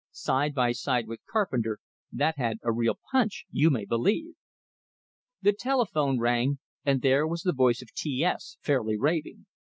Side by side with Carpenter, that had a real "punch," you may believe! The telephone rang, and there was the voice of T S, fairly raving.